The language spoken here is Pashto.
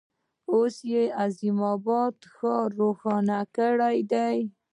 اوس یې د عظیم آباد ښار روښانه کړی دی.